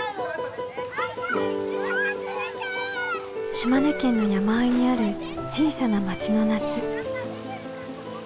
島根県の山あいにある小さな町の夏。